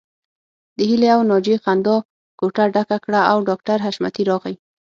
د هيلې او ناجيې خندا کوټه ډکه کړه او ډاکټر حشمتي راغی